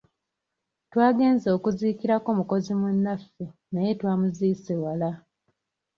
Twagenze okuziikirako mukozi munnaffe naye twamuziise wala.